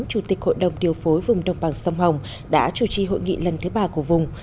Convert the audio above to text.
chủ tịch hội đồng điều phối vùng đồng bằng sông hồng đã chủ trì hội nghị lần thứ ba của vùng